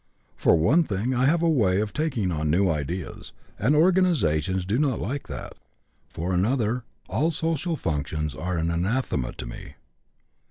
For one thing I have a way of taking on new ideas, and organizations do not like that. For another, all social functions are anathema to me.